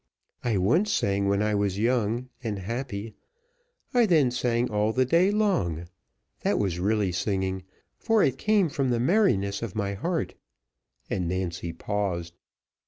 "I once sang, when I was young and happy I then sang all the day long; that was really singing, for it came from the merriness of my heart;" and Nancy paused.